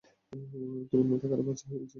তোমার মাথা খারাপ হয়ে গেছে, সোনা?